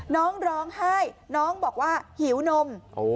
น้องร้องไห้น้องบอกว่าหิวนม